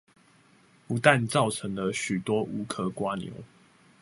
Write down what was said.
不但造成了許多無殼蝸牛